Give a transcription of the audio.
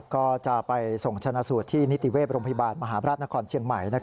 ก็จะไปส่งชนะสูตรที่นิติเวศโรงพยาบาลมหาพระราชนครเชียงใหม่